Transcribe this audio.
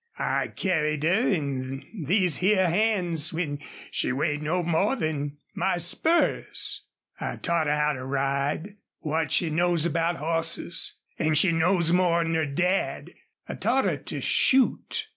I carried her in these here hands when she weighed no more 'n my spurs. I taught her how to ride what she knows about hosses. An' she knows more 'n her dad. I taught her to shoot.